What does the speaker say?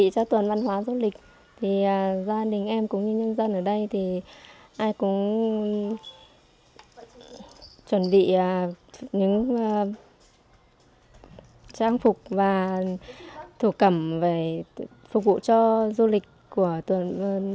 chưỡng vụ cho tuần văn hóa du lịch gia đình em cũng như nhân dân ở đây ai cũng chuẩn bị những trang phục và thổ cầm phục vụ cho du lịch của tuần văn hóa nghĩa lộ